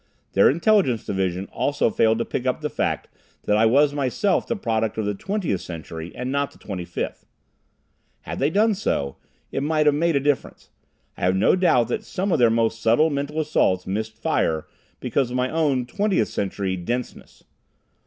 Their intelligence division also failed to pick up the fact that I was myself the product of the Twentieth Century and not the Twenty fifth. Had they done so, it might have made a difference. I have no doubt that some of their most subtle mental assaults missed fire because of my own Twentieth Century "denseness."